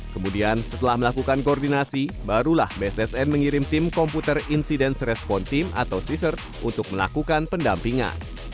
kemudian setelah melakukan koordinasi barulah bssn mengirim tim komputer insidence respon team atau ceser untuk melakukan pendampingan